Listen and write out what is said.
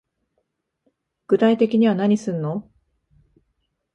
具体的には何すんの